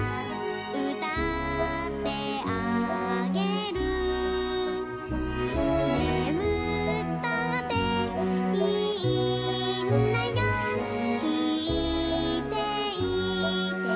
「うたってあげる」「ねむったっていいんだよきいていてね、、、」